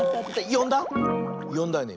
よんだよね？